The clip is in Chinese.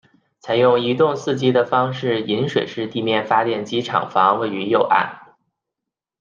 采用一洞四机的方式引水式地面发电厂房位于右岸。